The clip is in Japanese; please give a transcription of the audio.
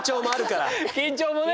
緊張もね！